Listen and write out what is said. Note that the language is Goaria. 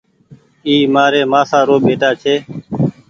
اي مآري مآسآ رو ٻيٽآ ڇي۔